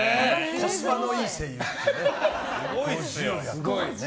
コスパのいい声優っていうね。